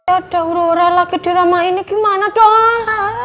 ada aurora lagi di rumah ini gimana dong